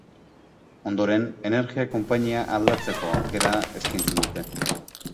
Ondoren, energia-konpainia aldatzeko aukera eskaintzen dute.